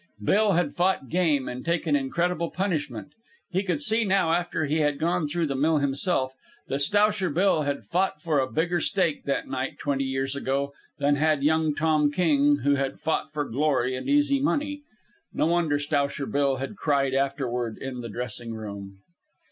Bill had fought game and taken incredible punishment. He could see now, after he had gone through the mill himself, that Stowsher Bill had fought for a bigger stake, that night twenty years ago, than had young Tom King, who had fought for glory and easy money. No wonder Stowsher Bill had cried afterward in the dressing room.